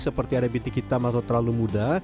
seperti ada bintik hitam atau terlalu muda